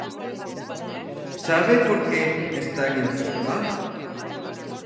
¿Sabe por que están en folga?